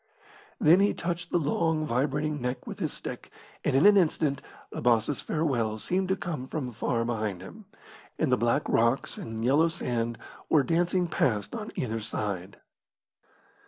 Then he touched the long, vibrating neck with his stick, and in an instant Abbas' farewell seemed to come from far behind him, and the black rocks and yellow sand were dancing past on either side.